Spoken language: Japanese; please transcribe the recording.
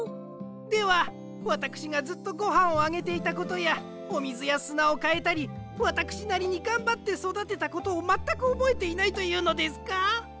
ではわたくしがずっとごはんをあげていたことやおみずやすなをかえたりわたくしなりにがんばってそだてたことをまったくおぼえていないというのですか？